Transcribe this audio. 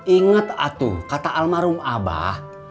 ingat atu kata almarhum abah